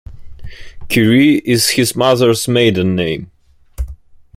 Currie is his mother's maiden name.